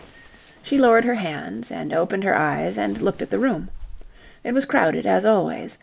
She lowered her hands and opened her eyes and looked at the room. It was crowded, as always.